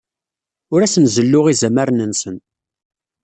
Ur asen-zelluɣ izamaren-nsen.